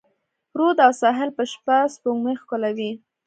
رود او ساحل به شپه، سپوږمۍ ښکلوي